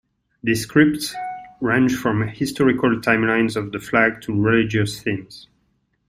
These scripts range from historical timelines of the flag to religious themes.